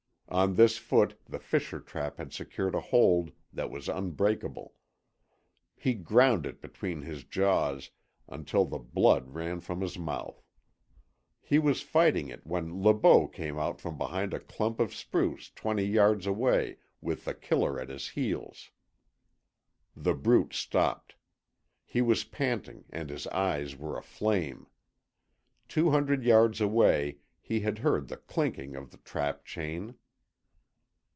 On this foot the fisher trap had secured a hold that was unbreakable. He ground it between his jaws until the blood ran from his mouth. He was fighting it when Le Beau came out from behind a clump of spruce twenty yards away with The Killer at his heels. The Brute stopped. He was panting, and his eyes were aflame. Two hundred yards away he had heard the clinking of the trap chain.